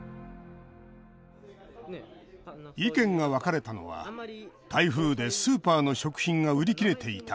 意見が分かれたのは「台風でスーパーの食品が売り切れていた。